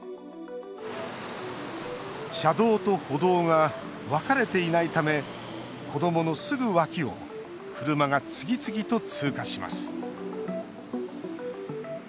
車道と歩道が分かれていないため子どものすぐ脇を車が次々と通過します。